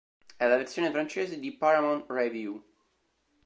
È la versione francese di "Paramount revue".